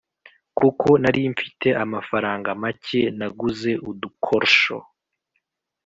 Kuko narimfite amafaranga macye naguze udukorsho